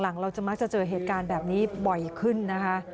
เราจะมักจะเจอเหตุการณ์แบบนี้บ่อยขึ้นนะคะ